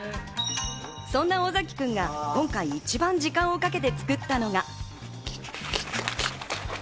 そんな尾崎君が今回、一番時間をかけて作ったのが。